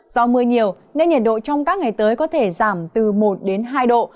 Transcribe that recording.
do mưa nhiều nên nhiệt độ trong các ngày tới có thể giảm từ một đến hai độ